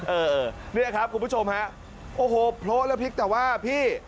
เออเนี่ยครับคุณผู้ชมฮะโอ้โหโพลแล้วพลิกแต่ว่าพี่